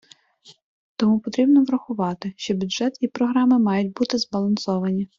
Тому потрібно врахувати, що бюджет і програми мають бути збалансовані.